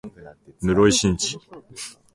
室井慎次